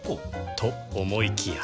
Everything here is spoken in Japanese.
と思いきや